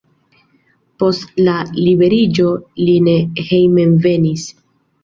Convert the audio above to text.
Post la liberiĝo li ne hejmenvenis.